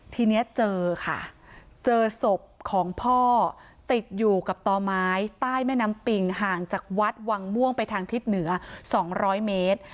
ทีนี้เจอค่ะเจอศพของพ่อติดอยู่กับต่อไม้ใต้แม่น้ำปิงห่างจากวัดวังม่วงไปทางทิศเหนือ๒๐๐เมตร